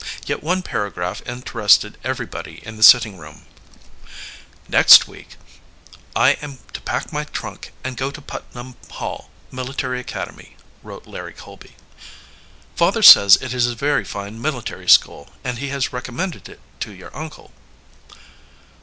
Yet one paragraph interested everybody in the sitting room: "Next week I am to pack my trunk and go to Putnam Hall Military Academy [wrote Larry Colby]. Father says it is a very fine military, school, and he has recommended it to your uncle."